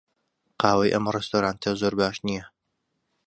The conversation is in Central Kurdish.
قاوەی ئەم ڕێستۆرانتە زۆر باش نییە.